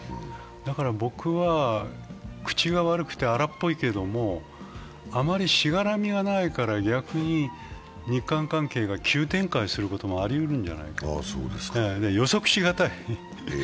僕は、口が悪くて荒っぽいけれどもあまりしがらみがないから、逆に日韓関係が急展開することもありえるんじゃないか。予測しがたい。